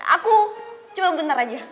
aku cuma bentar aja